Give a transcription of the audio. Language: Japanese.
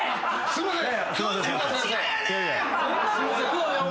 すいません！